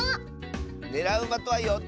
ねらうまとは４つ。